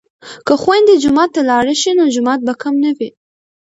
که خویندې جومات ته لاړې شي نو جماعت به کم نه وي.